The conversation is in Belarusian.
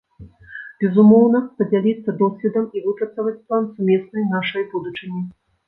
Безумоўна, падзяліцца досведам і выпрацаваць план сумеснай нашай будучыні.